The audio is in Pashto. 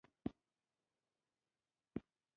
وطنه ته شي ښاد